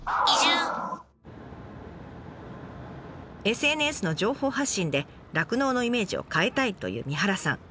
ＳＮＳの情報発信で酪農のイメージを変えたいという三原さん。